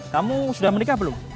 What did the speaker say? kamu sudah menikah belum